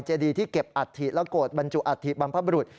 ดีที่เก็บอัฐิและโกรธบรรจุอัฐิบรรพบรุษ